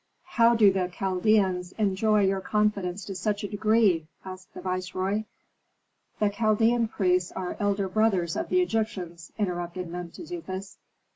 "How do the Chaldeans enjoy your confidence to such a degree?" asked the viceroy. "The Chaldean priests are elder brothers of the Egyptians," interrupted Mentezufis.